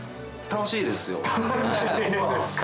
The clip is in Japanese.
楽しいですか！